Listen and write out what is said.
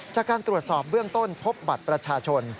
จากการตรวจสอบเบื้องต้นพบบัตรประชาชน